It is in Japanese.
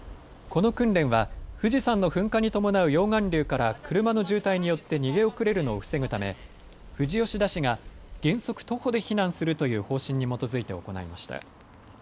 この訓練は富士山の噴火に伴う溶岩流から車の渋滞によって逃げ遅れるのを防ぐため富士吉田市が原則、徒歩で避難するという方針に基づいて行われました。